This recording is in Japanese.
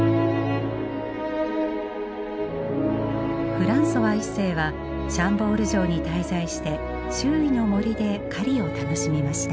フランソワ一世はシャンボール城に滞在して周囲の森で狩りを楽しみました。